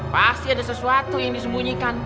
pasti ada sesuatu yang disembunyikan